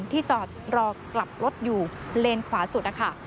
ที่จอดรอกลับรถอยู่เลนขวาสุดนะคะ